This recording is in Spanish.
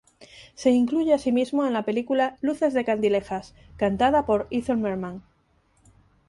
Se incluye asimismo en la película "Luces de candilejas", cantada por Ethel Merman.